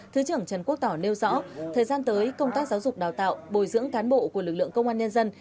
thứ trưởng trần quốc tỏ nêu rõ thời gian tới công tác giáo dục đào tạo bồi dưỡng cán bộ của lực lượng công an nhân dân